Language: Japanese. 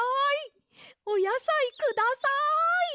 おやさいください！